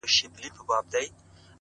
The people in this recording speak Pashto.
• اوس به څه وايي زامنو ته پلرونه,